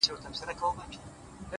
تنکی رويباره له وړې ژبي دي ځارسم که نه،